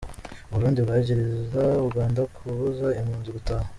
U Burundi bwagiriza u Rwanda kubuza impunzi gutahuka.